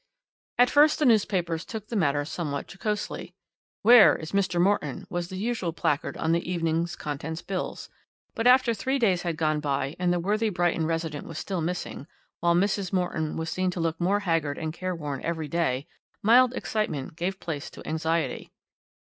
At first the newspapers took the matter somewhat jocosely. 'Where is Mr. Morton?' was the usual placard on the evening's contents bills, but after three days had gone by and the worthy Brighton resident was still missing, while Mrs. Morton was seen to look more haggard and careworn every day, mild excitement gave place to anxiety.